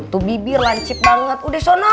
tuh bibir lancip banget udah so noh